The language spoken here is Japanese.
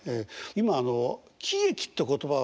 今あの喜劇って言葉